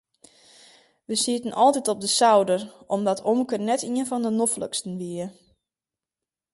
We sieten altyd op de souder omdat omke net ien fan de nofliksten wie.